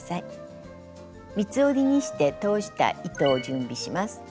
三つ折りにして通した糸を準備します。